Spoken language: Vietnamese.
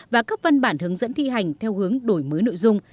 và các văn bản hướng dẫn thi hành theo hướng đổi mới nội dung